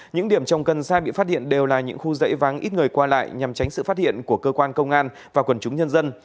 những điểm trồng cần xa bị phát hiện đều là những khu dãy vắng ít người qua lại nhằm tránh sự phát hiện của cơ quan công an và quần chúng nhân dân